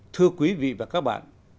thưa quý vị và các bạn